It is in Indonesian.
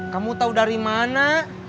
kamu tahu dari mana